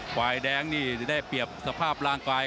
ฝ่ายแดงนี่ได้เปรียบสภาพร่างกาย